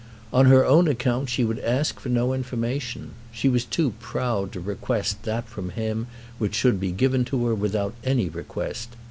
On her own account she would ask for no information. She was too proud to request that from him which should be given to her without any request.